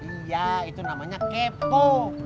iya itu namanya kepo